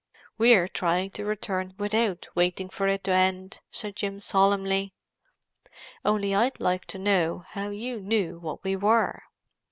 "We're trying to return without waiting for it to end," said Jim solemnly. "Only I'd like to know how you knew what we were."